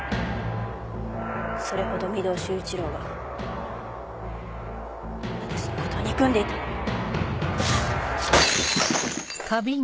それほど御堂周一郎は私のことを憎んでいたのよ。